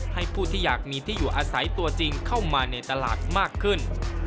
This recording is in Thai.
ผู้ที่อยากมีที่อยู่อาศัยตัวจริงเข้ามาในตลาดมากขึ้น